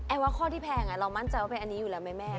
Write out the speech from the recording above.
แอว่าค่าที่แพงเรามั่นใจอะเป็นอันนี้อยู่แหละแม่